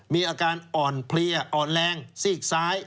มีอาการอ่อนเพลียอ่อนแรงซีกซ้าย